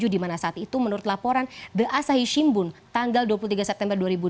dimana saat itu menurut laporan the asahi shimbun tanggal dua puluh tiga september dua ribu dua